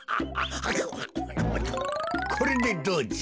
これでどうじゃ。